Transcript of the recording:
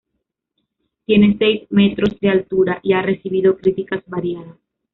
Tiene seis metros de altura, y ha recibido críticas variadas.